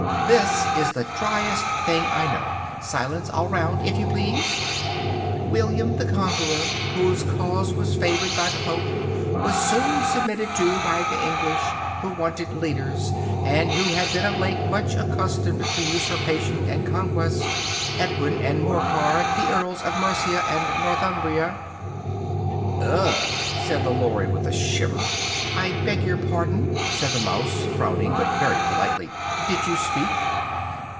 This is the driest thing I know. Silence all round, if you please! "William the Conqueror, whose cause was favoured by the pope, was soon submitted to by the English, who wanted leaders, and had been of late much accustomed to usurpation and conquest. Edwin and Morcar, the earls of Mercia and Northumbria " "Ugh!" said the Lory with a shiver. "I beg your pardon?" said the mouse, frowning, but very politely, "did you speak?"